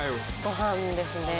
ご飯ですね。